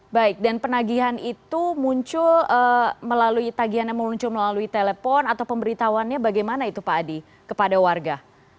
baik dan penagihan itu muncul melalui tagihannya muncul melalui telepon atau pemberitahuan nya bagaimana itu pak adi kepada warga